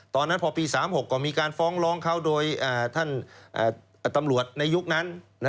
ตอนนั้นพอปี๓๖ก็มีการฟ้องร้องเขาโดยท่านตำรวจในยุคนั้น